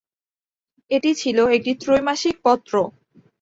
এটি ছিল একটি ত্রৈমাসিক পত্র।